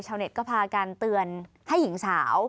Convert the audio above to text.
เน็ตก็พากันเตือนให้หญิงสาว